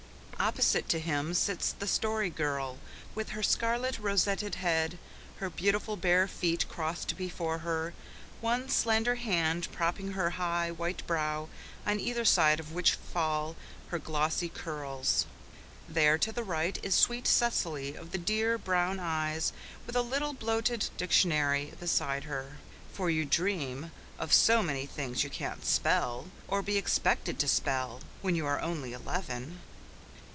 Opposite to him sits the Story Girl, with her scarlet rosetted head, her beautiful bare feet crossed before her, one slender hand propping her high, white brow, on either side of which fall her glossy curls. There, to the right, is sweet Cecily of the dear, brown eyes, with a little bloated dictionary beside her for you dream of so many things you can't spell, or be expected to spell, when you are only eleven.